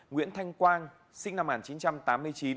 nguyễn thanh quang sinh năm một nghìn chín trăm tám mươi chín